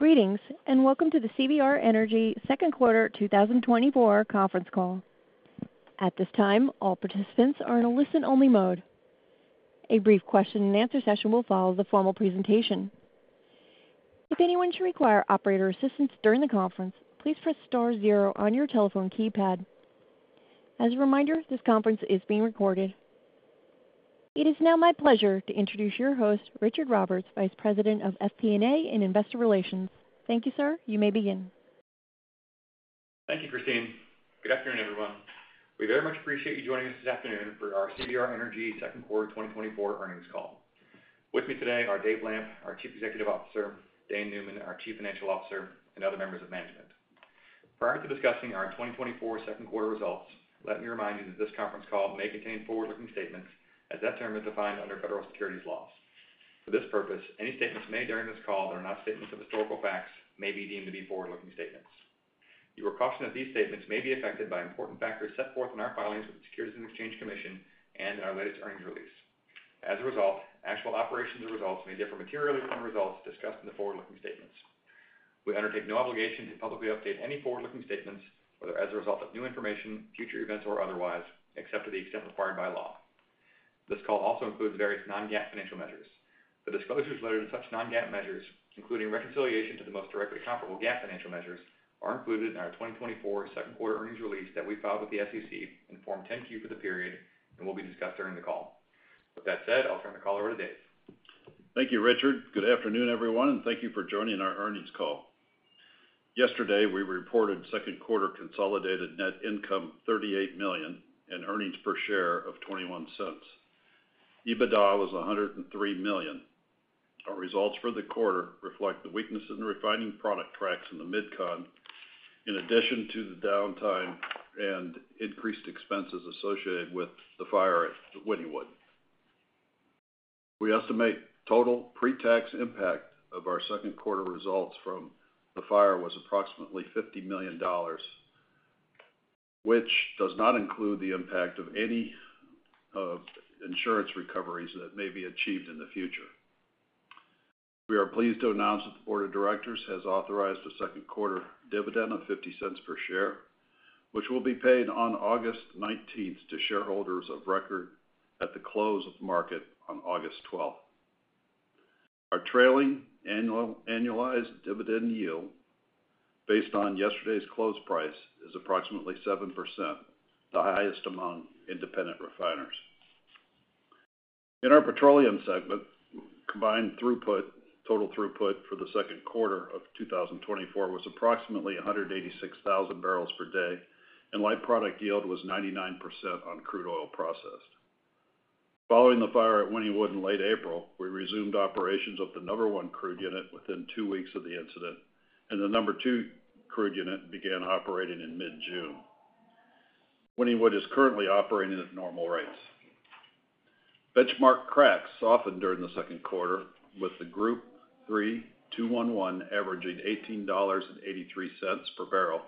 Greetings, and welcome to the CVR Energy Second Quarter 2024 conference call. At this time, all participants are in a listen-only mode. A brief question-and-answer session will follow the formal presentation. If anyone should require operator assistance during the conference, please press star zero on your telephone keypad. As a reminder, this conference is being recorded. It is now my pleasure to introduce your host, Richard Roberts, Vice President of FP&A and Investor Relations. Thank you, sir. You may begin. Thank you, Christine. Good afternoon, everyone. We very much appreciate you joining us this afternoon for our CVR Energy second quarter 2024 earnings call. With me today are David Lamp, our Chief Executive Officer, Dane Neumann, our Chief Financial Officer, and other members of management. Prior to discussing our 2024 second quarter results, let me remind you that this conference call may contain forward-looking statements as that term is defined under federal securities laws. For this purpose, any statements made during this call that are not statements of historical facts may be deemed to be forward-looking statements. You are cautioned that these statements may be affected by important factors set forth in our filings with the Securities and Exchange Commission and in our latest earnings release. As a result, actual operations or results may differ materially from the results discussed in the forward-looking statements. We undertake no obligation to publicly update any forward-looking statements, whether as a result of new information, future events, or otherwise, except to the extent required by law. This call also includes various non-GAAP financial measures. The disclosures related to such non-GAAP measures, including reconciliation to the most directly comparable GAAP financial measures, are included in our 2024 second quarter earnings release that we filed with the SEC in Form 10-Q for the period and will be discussed during the call. With that said, I'll turn the call over to David. Thank you, Richard. Good afternoon, everyone, and thank you for joining our earnings call. Yesterday, we reported second quarter consolidated net income $38 million and earnings per share of $0.21. EBITDA was $103 million. Our results for the quarter reflect the weakness in the refining product cracks in the Mid-Con, in addition to the downtime and increased expenses associated with the fire at Wynnewood. We estimate total pre-tax impact of our second quarter results from the fire was approximately $50 million, which does not include the impact of any insurance recoveries that may be achieved in the future. We are pleased to announce that the Board of Directors has authorized a second quarter dividend of $0.50 per share, which will be paid on August 19th to shareholders of record at the close of the market on August 12th. Our trailing annualized dividend yield, based on yesterday's close price, is approximately 7%, the highest among independent refiners. In our petroleum segment, combined total throughput for the second quarter of 2024 was approximately 186,000 barrels per day, and light product yield was 99% on crude oil processed. Following the fire at Wynnewood in late April, we resumed operations of the number one crude unit within two weeks of the incident, and the number two crude unit began operating in mid-June. Wynnewood is currently operating at normal rates. Benchmark cracks softened during the second quarter, with the Group 3 2-1-1 averaging $18.83 per barrel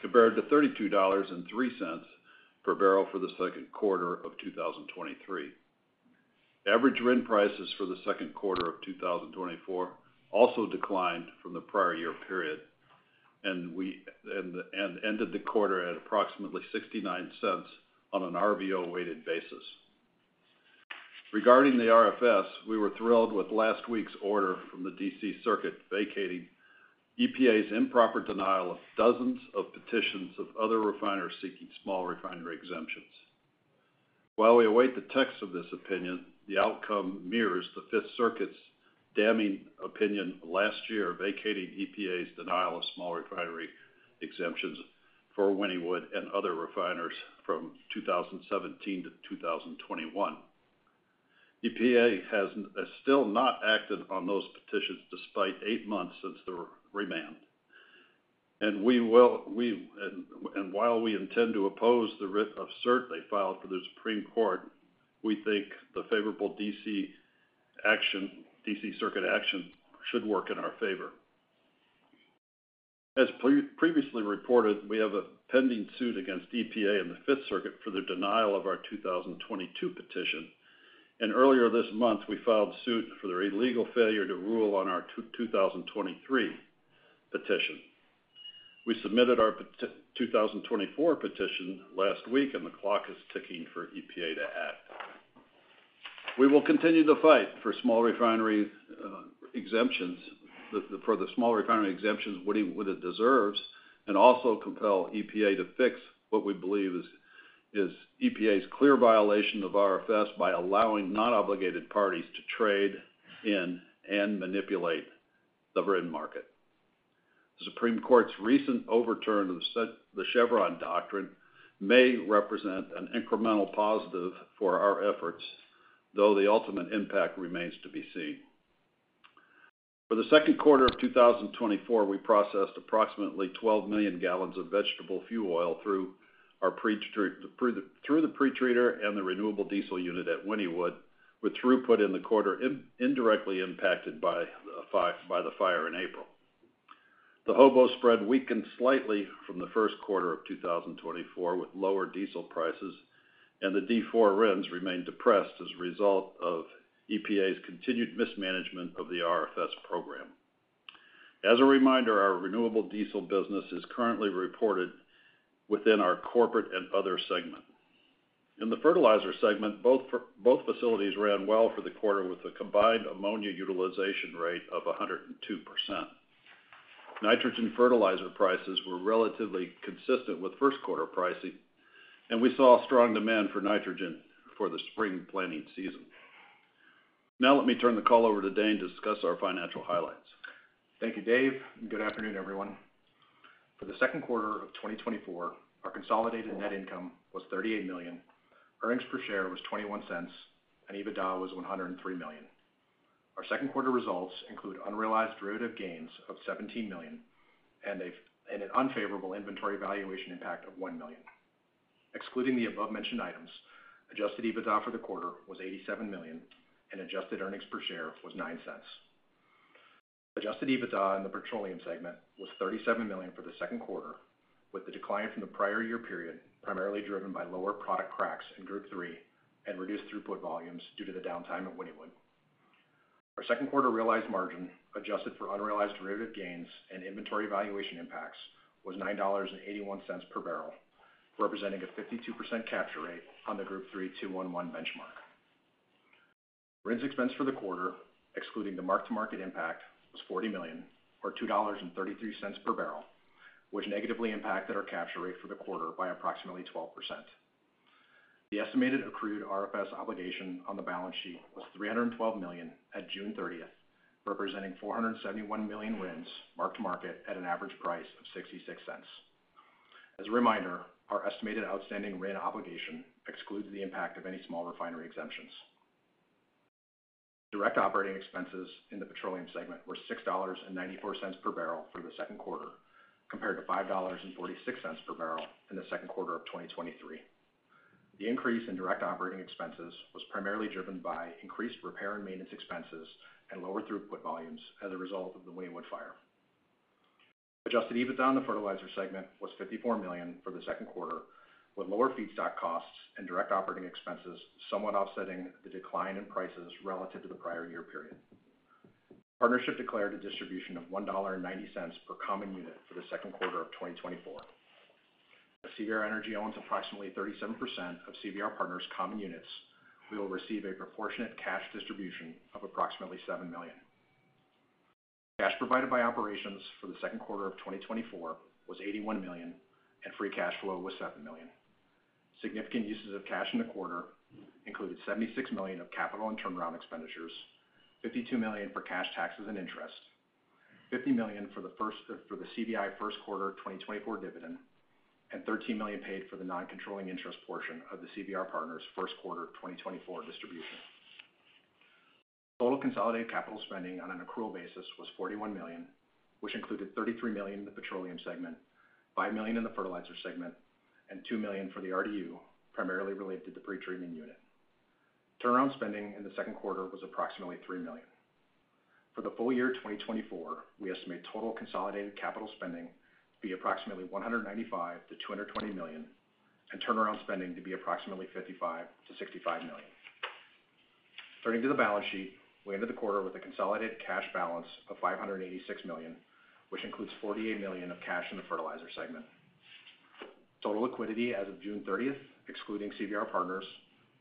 compared to $32.03 per barrel for the second quarter of 2023. Average RIN prices for the second quarter of 2024 also declined from the prior year period and ended the quarter at approximately $0.69 on an RVO-weighted basis. Regarding the RFS, we were thrilled with last week's order from the D.C. Circuit vacating EPA's improper denial of dozens of petitions of other refiners seeking small refinery exemptions. While we await the text of this opinion, the outcome mirrors the Fifth Circuit's damning opinion last year vacating EPA's denial of small refinery exemptions for Wynnewood and other refiners from 2017 to 2021. EPA has still not acted on those petitions despite eight months since the remand. And while we intend to oppose the writ of cert they filed for the Supreme Court, we think the favorable D.C. Circuit action should work in our favor. As previously reported, we have a pending suit against EPA and the Fifth Circuit for their denial of our 2022 petition. And earlier this month, we filed suit for their illegal failure to rule on our 2023 petition. We submitted our 2024 petition last week, and the clock is ticking for EPA to act. We will continue to fight for small refinery exemptions for the small refinery exemptions Wynnewood deserves and also compel EPA to fix what we believe is EPA's clear violation of RFS by allowing non-obligated parties to trade in and manipulate the RIN market. The Supreme Court's recent overturn of the Chevron doctrine may represent an incremental positive for our efforts, though the ultimate impact remains to be seen. For the second quarter of 2024, we processed approximately 12,000,000 gallons of vegetable fuel oil through the pretreater and the renewable diesel unit at Wynnewood, with throughput in the quarter indirectly impacted by the fire in April. The HOBO spread weakened slightly from the first quarter of 2024, with lower diesel prices, and the D4 RINs remained depressed as a result of EPA's continued mismanagement of the RFS program. As a reminder, our renewable diesel business is currently reported within our corporate and other segment. In the fertilizer segment, both facilities ran well for the quarter with a combined ammonia utilization rate of 102%. Nitrogen fertilizer prices were relatively consistent with first quarter pricing, and we saw strong demand for nitrogen for the spring planting season. Now let me turn the call over to Dane to discuss our financial highlights. Thank you, David. Good afternoon, everyone. For the second quarter of 2024, our consolidated net income was $38 million, earnings per share was $0.21, and EBITDA was $103 million. Our second quarter results include unrealized derivative gains of $17 million and an unfavorable inventory valuation impact of $1 million. Excluding the above-mentioned items, Adjusted EBITDA for the quarter was $87 million, and Adjusted earnings per share was $0.09. Adjusted EBITDA in the petroleum segment was $37 million for the second quarter, with the decline from the prior year period primarily driven by lower product cracks in Group 3 and reduced throughput volumes due to the downtime at Wynnewood. Our second quarter realized margin adjusted for unrealized derivative gains and inventory valuation impacts was $9.81 per barrel, representing a 52% capture rate on the Group 3 2-1-1 benchmark. RINs expense for the quarter, excluding the mark-to-market impact, was $40 million, or $2.33 per barrel, which negatively impacted our capture rate for the quarter by approximately 12%. The estimated accrued RFS obligation on the balance sheet was $312 million at June 30th, representing $471 million RINs mark-to-market at an average price of $0.66. As a reminder, our estimated outstanding RIN obligation excludes the impact of any small refinery exemptions. Direct operating expenses in the petroleum segment were $6.94 per barrel for the second quarter, compared to $5.46 per barrel in the second quarter of 2023. The increase in direct operating expenses was primarily driven by increased repair and maintenance expenses and lower throughput volumes as a result of the Wynnewood fire. Adjusted EBITDA in the fertilizer segment was $54 million for the second quarter, with lower feedstock costs and direct operating expenses somewhat offsetting the decline in prices relative to the prior year period. Partnership declared a distribution of $1.90 per common unit for the second quarter of 2024. As CVR Energy owns approximately 37% of CVR Partners' common units, we will receive a proportionate cash distribution of approximately $7 million. Cash provided by operations for the second quarter of 2024 was $81 million, and free cash flow was $7 million. Significant uses of cash in the quarter included $76 million of capital and turnaround expenditures, $52 million for cash taxes and interest, $50 million for the CVI first quarter 2024 dividend, and $13 million paid for the non-controlling interest portion of the CVR Partners' first quarter 2024 distribution. Total consolidated capital spending on an accrual basis was $41 million, which included $33 million in the petroleum segment, $5 million in the fertilizer segment, and $2 million for the RDU, primarily related to the pretreating unit. Turnaround spending in the second quarter was approximately $3 million. For the full year 2024, we estimate total consolidated capital spending to be approximately $195-$220 million and turnaround spending to be approximately $55-$65 million. Turning to the balance sheet, we ended the quarter with a consolidated cash balance of $586 million, which includes $48 million of cash in the fertilizer segment. Total liquidity as of June 30th, excluding CVR Partners,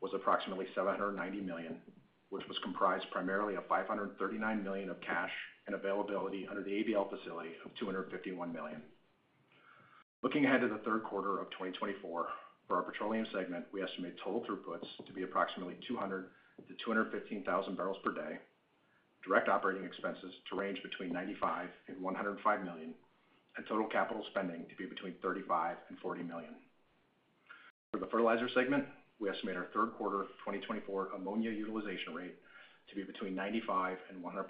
was approximately $790 million, which was comprised primarily of $539 million of cash and availability under the ABL facility of $251 million. Looking ahead to the third quarter of 2024, for our petroleum segment, we estimate total throughputs to be approximately $200,000-$215,000 barrels per day, direct operating expenses to range between $95 and $105 million, and total capital spending to be between $35 and $40 million. For the fertilizer segment, we estimate our third quarter 2024 ammonia utilization rate to be between 95% and 100%,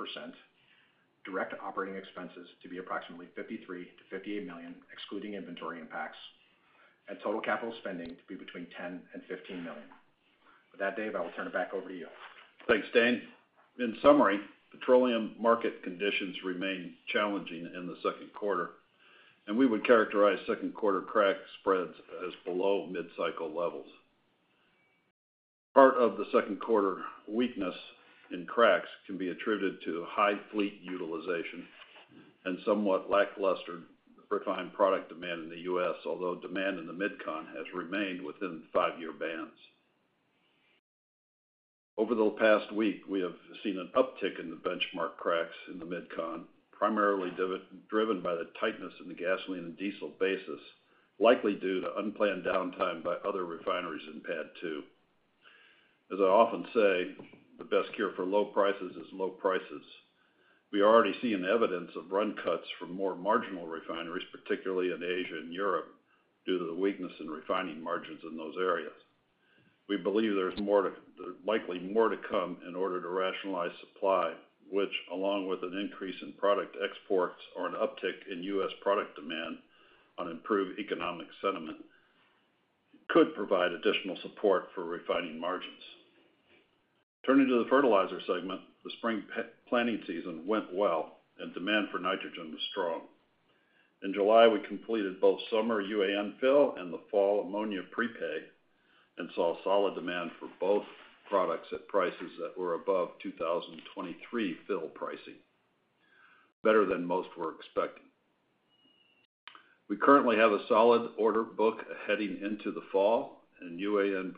direct operating expenses to be approximately $53-$58 million, excluding inventory impacts, and total capital spending to be between $10 and $15 million. With that, David, I will turn it back over to you. Thanks, Dane. In summary, petroleum market conditions remain challenging in the second quarter, and we would characterize second quarter crack spreads as below mid-cycle levels. Part of the second quarter weakness in cracks can be attributed to high fleet utilization and somewhat lackluster refined product demand in the U.S., although demand in the Mid-Con has remained within five-year bands. Over the past week, we have seen an uptick in the benchmark cracks in the Mid-Con, primarily driven by the tightness in the gasoline and diesel basis, likely due to unplanned downtime by other refineries in PADD 2. As I often say, the best cure for low prices is low prices. We already see an evidence of run cuts from more marginal refineries, particularly in Asia and Europe, due to the weakness in refining margins in those areas. We believe there's likely more to come in order to rationalize supply, which, along with an increase in product exports or an uptick in U.S. product demand on improved economic sentiment, could provide additional support for refining margins. Turning to the fertilizer segment, the spring planting season went well, and demand for nitrogen was strong. In July, we completed both summer UAN fill and the fall ammonia prepay and saw solid demand for both products at prices that were above 2023 fill pricing, better than most were expecting. We currently have a solid order book heading into the fall, and UAN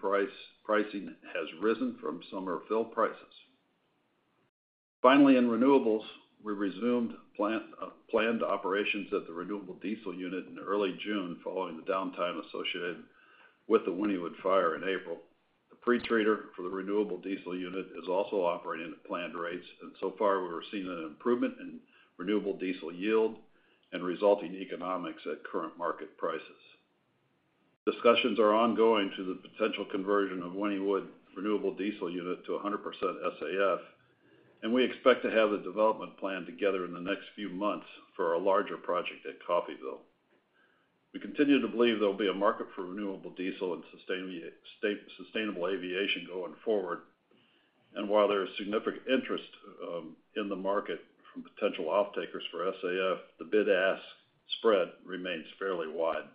pricing has risen from summer fill prices. Finally, in renewables, we resumed planned operations at the renewable diesel unit in early June following the downtime associated with the Wynnewood fire in April. The pretreater for the renewable diesel unit is also operating at planned rates, and so far we were seeing an improvement in renewable diesel yield and resulting economics at current market prices. Discussions are ongoing to the potential conversion of Wynnewood renewable diesel unit to 100% SAF, and we expect to have the development plan together in the next few months for a larger project at Coffeyville. We continue to believe there will be a market for renewable diesel and sustainable aviation going forward, and while there is significant interest in the market from potential off-takers for SAF, the bid-ask spread remains fairly wide.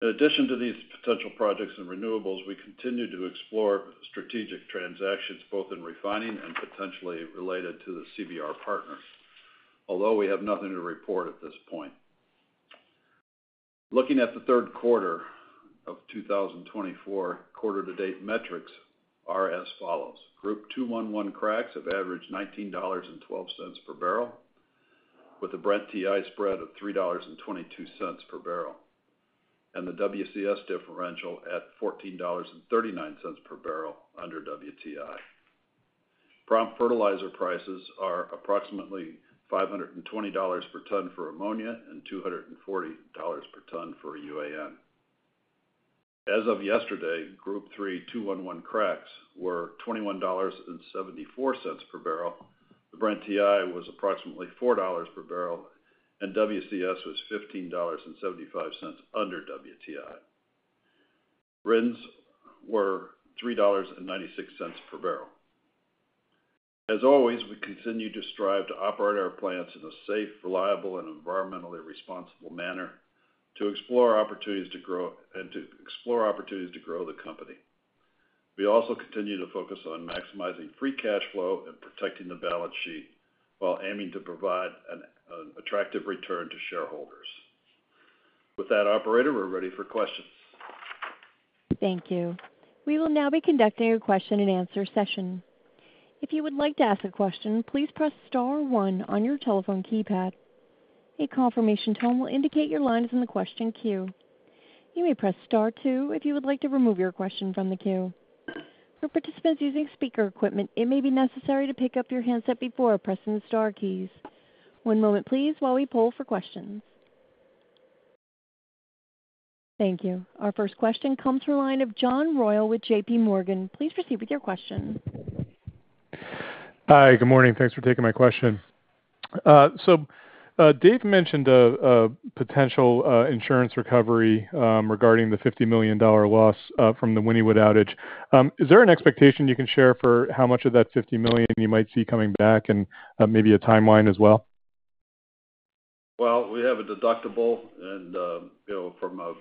In addition to these potential projects in renewables, we continue to explore strategic transactions both in refining and potentially related to the CVR Partners, although we have nothing to report at this point. Looking at the third quarter of 2024 quarter-to-date metrics, are as follows: Group 3 2-1-1 cracks have averaged $19.12 per barrel, with a Brent TI spread of $3.22 per barrel, and the WCS differential at $14.39 per barrel under WTI. Prompt fertilizer prices are approximately $520 per ton for ammonia and $240 per ton for UAN. As of yesterday, Group 3 2-1-1 cracks were $21.74 per barrel. The Brent TI was approximately $4 per barrel, and WCS was $15.75 under WTI. RINs were $3.96 per barrel. As always, we continue to strive to operate our plants in a safe, reliable, and environmentally responsible manner to explore opportunities to grow the company. We also continue to focus on maximizing free cash flow and protecting the balance sheet while aiming to provide an attractive return to shareholders. With that, operator, we're ready for questions. Thank you. We will now be conducting a question-and-answer session. If you would like to ask a question, please press Star 1 on your telephone keypad. A confirmation tone will indicate your line is in the question queue. You may press Star 2 if you would like to remove your question from the queue. For participants using speaker equipment, it may be necessary to pick up your handset before pressing the Star keys. One moment, please, while we pull for questions. Thank you. Our first question comes from the line of John Royal with JPMorgan. Please proceed with your question. Hi, good morning. Thanks for taking my question. So David mentioned a potential insurance recovery regarding the $50 million loss from the Wynnewood outage. Is there an expectation you can share for how much of that $50 million you might see coming back and maybe a timeline as well? Well, we have a deductible, and from a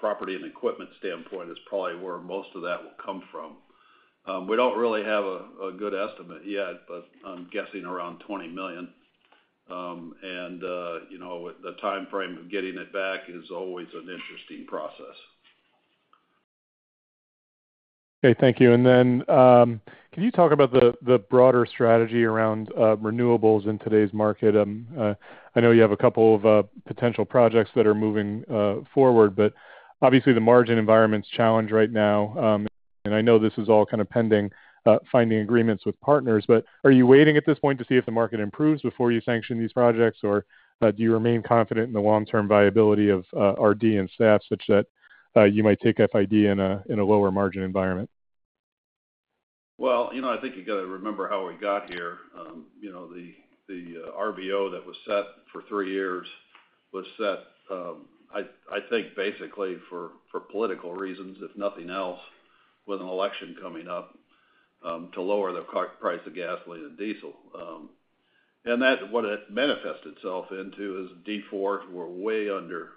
property and equipment standpoint, it's probably where most of that will come from. We don't really have a good estimate yet, but I'm guessing around $20 million. And the timeframe of getting it back is always an interesting process. Okay, thank you. And then can you talk about the broader strategy around renewables in today's market? I know you have a couple of potential projects that are moving forward, but obviously the margin environment's challenged right now. And I know this is all kind of pending finding agreements with partners, but are you waiting at this point to see if the market improves before you sanction these projects, or do you remain confident in the long-term viability of RD and SAF such that you might take FID in a lower margin environment? Well, you know I think you got to remember how we got here. The RVO that was set for three years was set, I think, basically for political reasons, if nothing else, with an election coming up to lower the price of gasoline and diesel. And that's what it manifested itself into is D4s were way under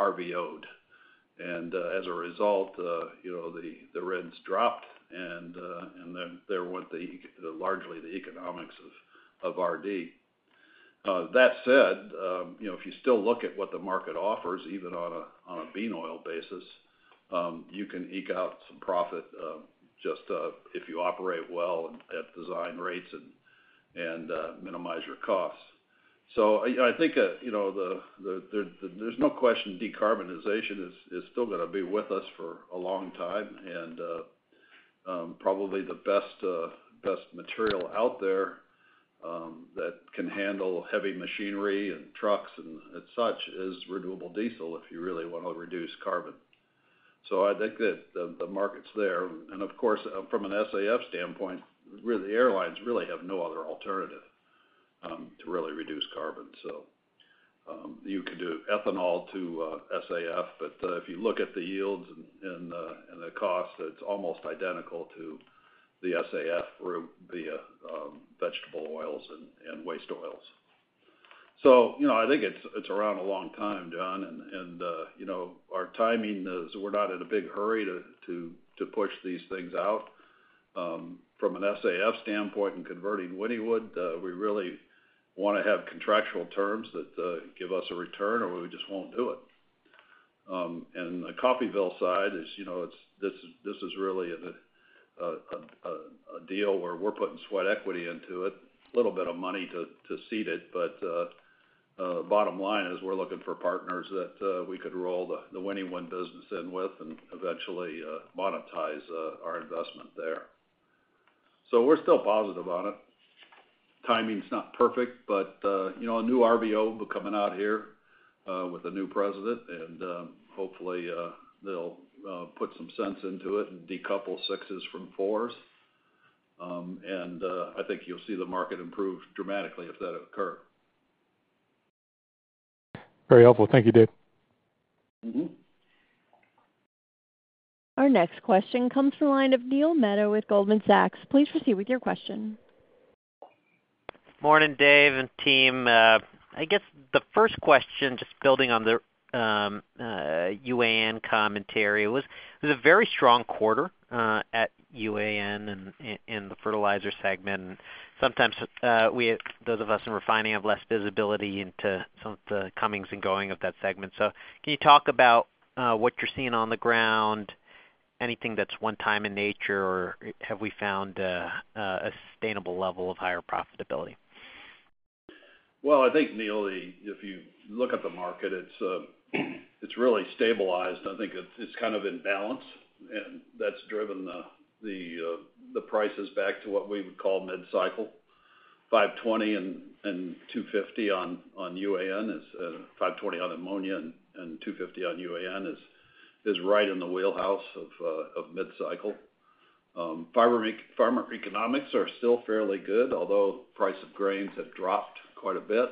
RVOed. And as a result, the RINs dropped, and there went largely the economics of RD. That said, if you still look at what the market offers, even on a bean oil basis, you can eke out some profit just if you operate well at design rates and minimize your costs. So I think there's no question decarbonization is still going to be with us for a long time, and probably the best material out there that can handle heavy machinery and trucks and such is renewable diesel if you really want to reduce carbon. So I think that the market's there. And of course, from an SAF standpoint, the airlines really have no other alternative to really reduce carbon. So you could do ethanol to SAF, but if you look at the yields and the cost, it's almost identical to the SAF via vegetable oils and waste oils. So I think it's around a long time, John, and our timing is we're not in a big hurry to push these things out. From an SAF standpoint and converting Wynnewood, we really want to have contractual terms that give us a return, or we just won't do it. The Coffeyville side is this is really a deal where we're putting sweat equity into it, a little bit of money to seed it, but the bottom line is we're looking for partners that we could roll the Wynnewood business in with and eventually monetize our investment there. So we're still positive on it. Timing's not perfect, but a new RVO coming out here with a new president, and hopefully they'll put some sense into it and decouple sixes from fours. And I think you'll see the market improve dramatically if that occurs. Very helpful. Thank you, David. Our next question comes from the line of Neil Mehta with Goldman Sachs. Please proceed with your question. Morning, David and team. I guess the first question, just building on the UAN commentary, was a very strong quarter at UAN and the fertilizer segment. Sometimes those of us in refining have less visibility into some of the comings and goings of that segment. So can you talk about what you're seeing on the ground, anything that's one-time in nature, or have we found a sustainable level of higher profitability? Well, I think, Neil, if you look at the market, it's really stabilized. I think it's kind of in balance, and that's driven the prices back to what we would call mid-cycle. $520 and $250 on UAN is $520 on ammonia, and $250 on UAN is right in the wheelhouse of mid-cycle. Farmer economics are still fairly good, although price of grains have dropped quite a bit,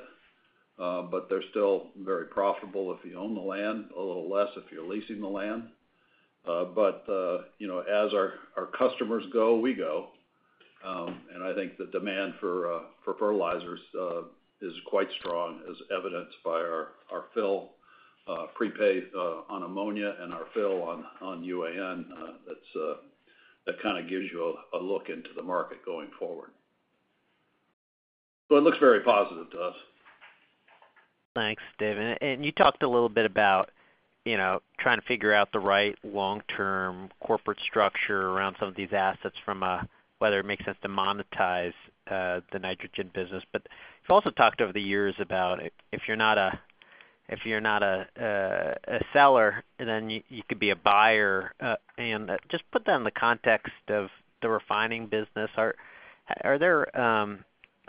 but they're still very profitable if you own the land, a little less if you're leasing the land. But as our customers go, we go. And I think the demand for fertilizers is quite strong, as evidenced by our fill prepay on ammonia and our fill on UAN. That kind of gives you a look into the market going forward. So it looks very positive to us. Thanks, David. You talked a little bit about trying to figure out the right long-term corporate structure around some of these assets from whether it makes sense to monetize the nitrogen business. But you also talked over the years about if you're not a seller, then you could be a buyer. Just put that in the context of the refining business. Are there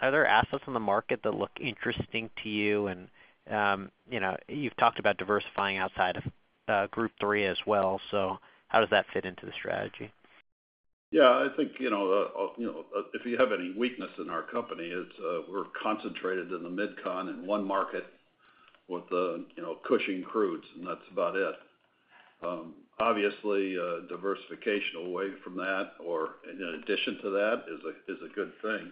assets on the market that look interesting to you? You've talked about diversifying outside of Group 3 as well. So how does that fit into the strategy? Yeah, I think if you have any weakness in our company, we're concentrated in the mid-con and one market with Cushing crudes, and that's about it. Obviously, diversification away from that or in addition to that is a good thing.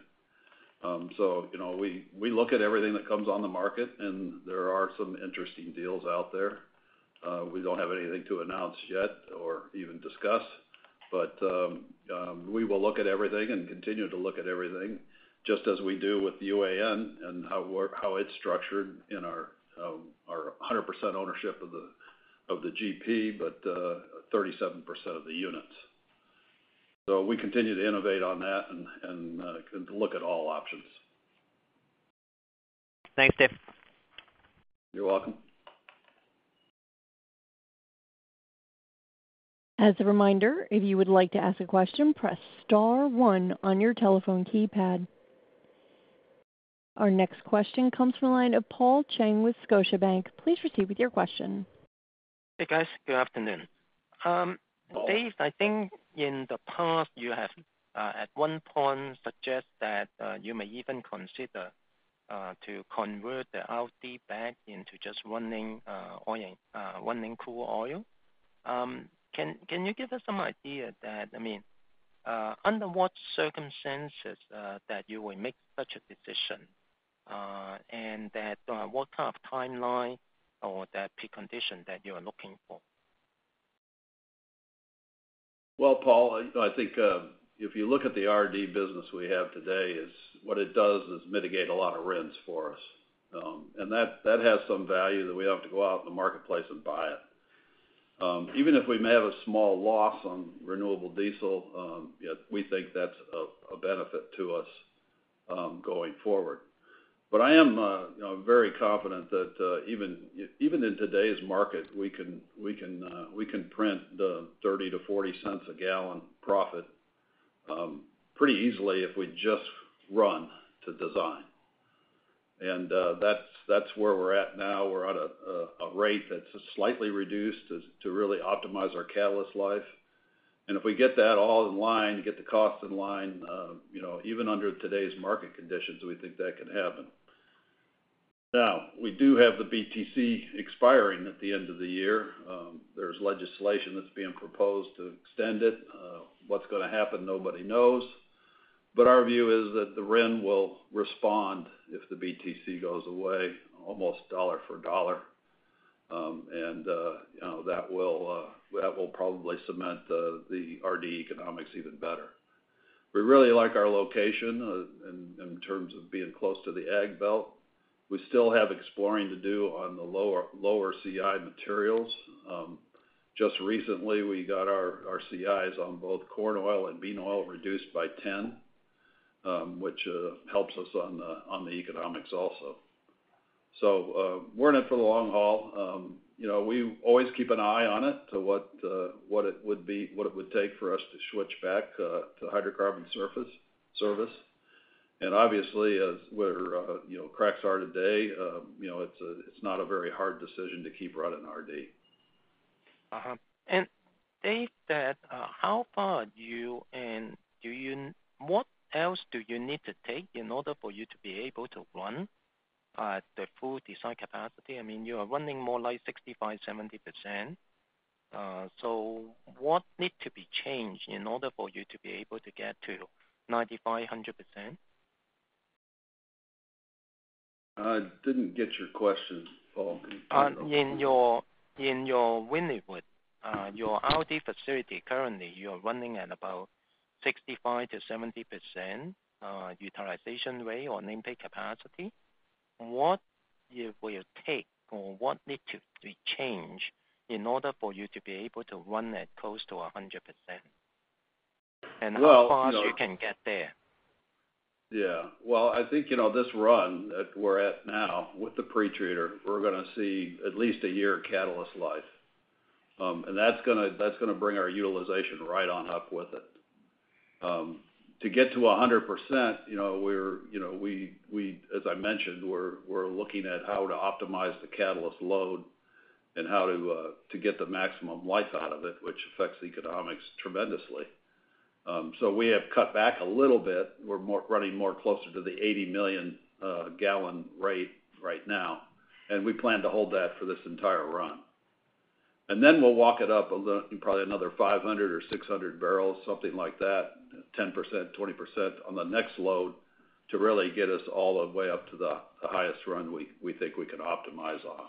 So we look at everything that comes on the market, and there are some interesting deals out there. We don't have anything to announce yet or even discuss, but we will look at everything and continue to look at everything, just as we do with UAN and how it's structured in our 100% ownership of the GP, but 37% of the units. So we continue to innovate on that and look at all options. Thanks, David. You're welcome. As a reminder, if you would like to ask a question, press Star 1 on your telephone keypad. Our next question comes from the line of Paul Cheng with Scotiabank. Please proceed with your question. Hey, guys. Good afternoon. David, I think in the past you have at one point suggested that you may even consider to convert the LT back into just running oil and running crude oil. Can you give us some idea that, I mean, under what circumstances that you would make such a decision, and what kind of timeline or the precondition that you are looking for? Well, Paul, I think if you look at the RD business we have today, what it does is mitigate a lot of RINs for us. And that has some value that we have to go out in the marketplace and buy it. Even if we may have a small loss on Renewable Diesel, we think that's a benefit to us going forward. But I am very confident that even in today's market, we can print the $0.30-$0.40 a gallon profit pretty easily if we just run to design. And that's where we're at now. We're at a rate that's slightly reduced to really optimize our catalyst life. And if we get that all in line, get the cost in line, even under today's market conditions, we think that can happen. Now, we do have the BTC expiring at the end of the year. There's legislation that's being proposed to extend it. What's going to happen, nobody knows. But our view is that the RIN will respond if the BTC goes away, almost dollar for dollar. And that will probably cement the RD economics even better. We really like our location in terms of being close to the ag belt. We still have exploring to do on the lower CI materials. Just recently, we got our CIs on both corn oil and bean oil reduced by 10, which helps us on the economics also. So we're in it for the long haul. We always keep an eye on it to what it would take for us to switch back to hydrocarbon surface service. And obviously, as our crack spread today, it's not a very hard decision to keep running RD. David, how far do you and what else do you need to take in order for you to be able to run the full design capacity? I mean, you are running more like 65%-70%. So what needs to be changed in order for you to be able to get to 95%-100%? I didn't get your question, Paul. In your Wynnewood, your RD facility currently, you are running at about 65%-70% utilization rate or nameplate capacity. What will it take or what needs to be changed in order for you to be able to run at close to 100%? How far you can get there? Yeah. Well, I think this run that we're at now with the pretreater, we're going to see at least a year of catalyst life. And that's going to bring our utilization right on up with it. To get to 100%, as I mentioned, we're looking at how to optimize the catalyst load and how to get the maximum life out of it, which affects economics tremendously. So we have cut back a little bit. We're running more closer to the 80 million gallon rate right now. And we plan to hold that for this entire run. And then we'll walk it up probably another 500 or 600 barrels, something like that, 10%, 20% on the next load to really get us all the way up to the highest run we think we can optimize on.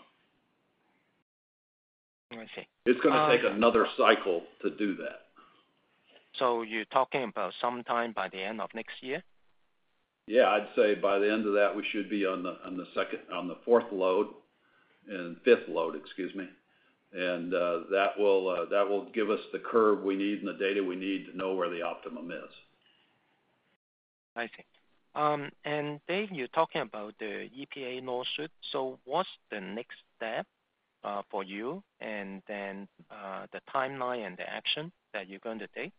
I see. It's going to take another cycle to do that. So you're talking about sometime by the end of next year? Yeah, I'd say by the end of that, we should be on the fourth load and fifth load, excuse me. That will give us the curve we need and the data we need to know where the optimum is. I see. And David, you're talking about the EPA lawsuit. So what's the next step for you and then the timeline and the action that you're going to take?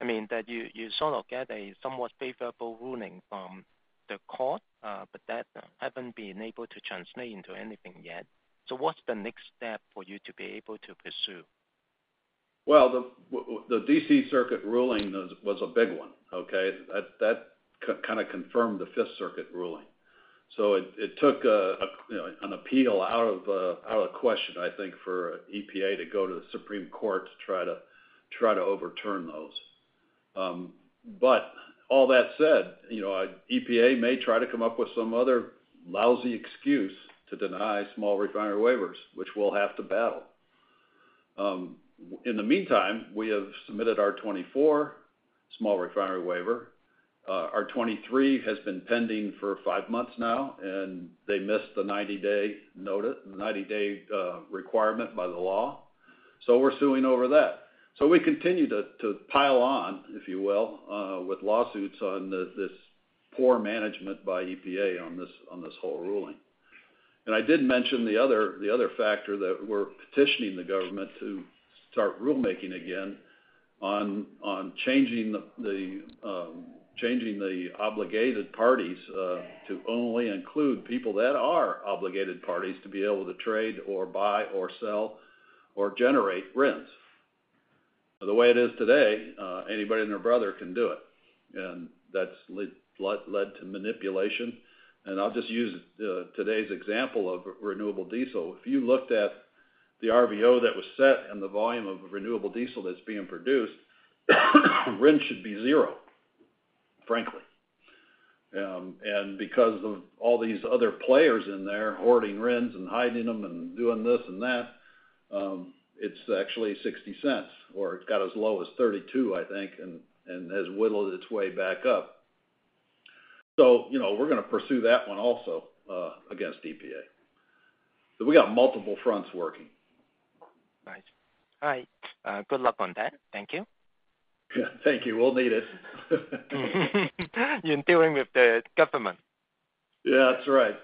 I mean, you sort of got a somewhat favorable ruling from the court, but that hasn't been able to translate into anything yet. So what's the next step for you to be able to pursue? Well, the D.C. Circuit ruling was a big one. Okay? That kind of confirmed the Fifth Circuit ruling. So it took an appeal out of the question, I think, for EPA to go to the Supreme Court to try to overturn those. But all that said, EPA may try to come up with some other lousy excuse to deny small refinery waivers, which we'll have to battle. In the meantime, we have submitted our 2024 small refinery waiver. Our 2023 has been pending for five months now, and they missed the 90-day requirement by the law. So we're suing over that. So we continue to pile on, if you will, with lawsuits on this poor management by EPA on this whole ruling. I did mention the other factor that we're petitioning the government to start rulemaking again on changing the obligated parties to only include people that are obligated parties to be able to trade or buy or sell or generate RINs. The way it is today, anybody and their brother can do it. And that's led to manipulation. I'll just use today's example of renewable diesel. If you looked at the RVO that was set and the volume of renewable diesel that's being produced, RIN should be zero, frankly. And because of all these other players in there hoarding RINs and hiding them and doing this and that, it's actually $0.60, or it's got as low as $0.32, I think, and has whittled its way back up. So we're going to pursue that one also against EPA. We got multiple fronts working. Right. All right. Good luck on that. Thank you. Yeah. Thank you. We'll need it. You're dealing with the government. Yeah, that's right.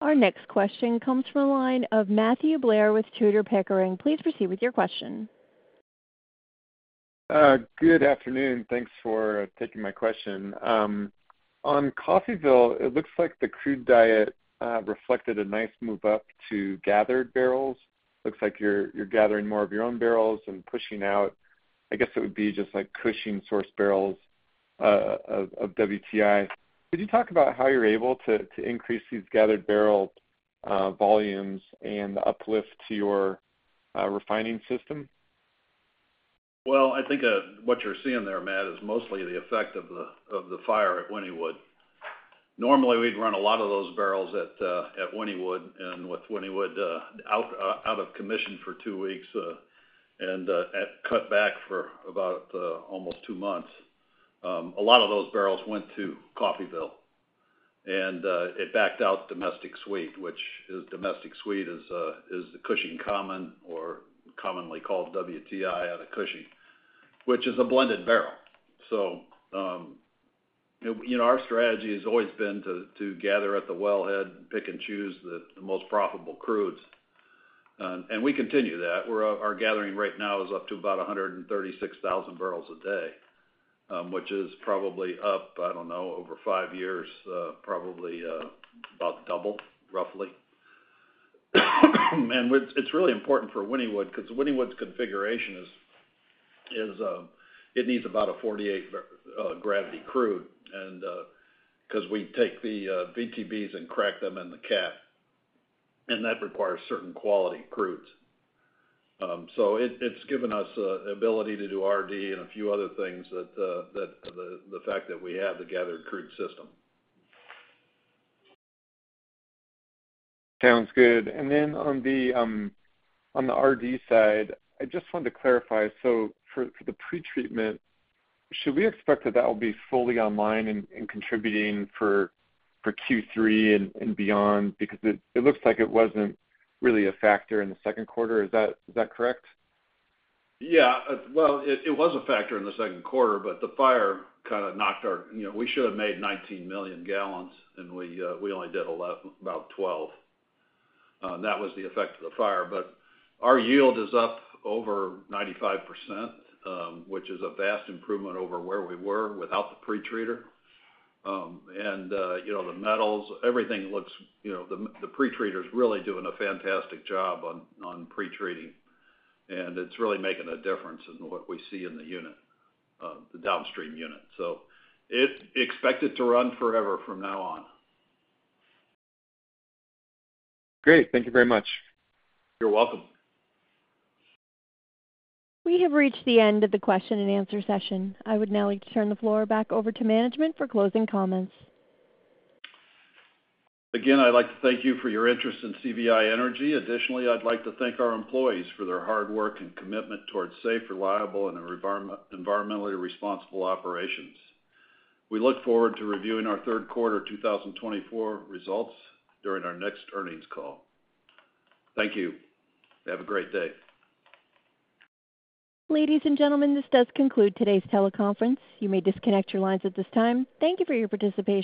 Our next question comes from the line of Matthew Blair with Tudor Pickering. Please proceed with your question. Good afternoon. Thanks for taking my question. On Coffeyville, it looks like the crude diet reflected a nice move up to gathered barrels. Looks like you're gathering more of your own barrels and pushing out. I guess it would be just like Cushing-sourced barrels of WTI. Could you talk about how you're able to increase these gathered barrel volumes and uplift to your refining system? Well, I think what you're seeing there, Matt, is mostly the effect of the fire at Wynnewood. Normally, we'd run a lot of those barrels at Wynnewood and with Wynnewood out of commission for two weeks and cut back for about almost two months. A lot of those barrels went to Coffeyville. And it backed out domestic sweet, which is domestic sweet is the Cushing common or commonly called WTI out of Cushing, which is a blended barrel. So our strategy has always been to gather at the wellhead, pick and choose the most profitable crudes. And we continue that. Our gathering right now is up to about 136,000 barrels a day, which is probably up, I don't know, over five years, probably about double, roughly. It's really important for Wynnewood because Wynnewood's configuration is it needs about a 48 gravity crude because we take the VTBs and crack them in the cat. That requires certain quality crudes. It's given us the ability to do RD and a few other things, the fact that we have the gathered crude system. Sounds good. And then on the RD side, I just wanted to clarify. So for the pretreatment, should we expect that that will be fully online and contributing for Q3 and beyond because it looks like it wasn't really a factor in the second quarter? Is that correct? Yeah. Well, it was a factor in the second quarter, but the fire kind of knocked our we should have made 19 million gallons, and we only did about 12. That was the effect of the fire. But our yield is up over 95%, which is a vast improvement over where we were without the pretreater. And the metals, everything looks the pretreater is really doing a fantastic job on pretreating. And it's really making a difference in what we see in the unit, the downstream unit. So expect it to run forever from now on. Great. Thank you very much. You're welcome. We have reached the end of the question and answer session. I would now like to turn the floor back over to management for closing comments. Again, I'd like to thank you for your interest in CVR Energy. Additionally, I'd like to thank our employees for their hard work and commitment towards safe, reliable, and environmentally responsible operations. We look forward to reviewing our third quarter 2024 results during our next earnings call. Thank you. Have a great day. Ladies and gentlemen, this does conclude today's teleconference. You may disconnect your lines at this time. Thank you for your participation.